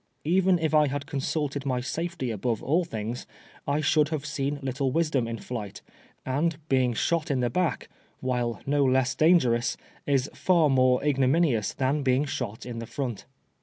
Even if I had consulted my safety above all things, I should have seen little wisdom in flight ; and being shot in the back, while no less dangerous, is far more ignominious than being shot in the front.